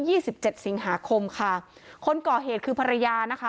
สิบเจ็ดสิงหาคมค่ะคนก่อเหตุคือภรรยานะคะ